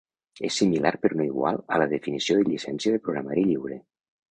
És similar però no igual a la definició de llicència de programari lliure.